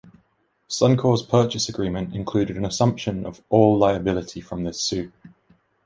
Suncor's purchase agreement included an assumption of all liability from this suit.